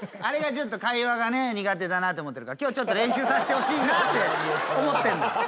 あれがちょっと会話がね苦手だなと思ってるから今日練習させてほしいなって思ってんの。